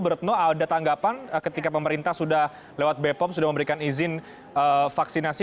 bu retno ada tanggapan ketika pemerintah sudah lewat bepom sudah memberikan izin vaksinasi